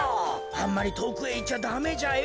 あんまりとおくへいっちゃダメじゃよ。